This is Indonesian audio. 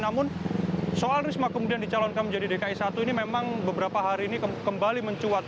namun soal risma kemudian dicalonkan menjadi dki satu ini memang beberapa hari ini kembali mencuat